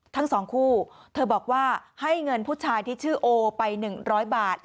ทั้งสองคู่เธอบอกว่าให้เงินผู้ชายที่ชื่อโอไป๑๐๐บาท